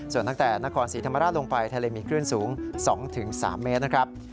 ส่วนตั้งแต่นครศรีธรรมราชลงไปทะเลมีคลื่นสูง๒๓เมตรนะครับ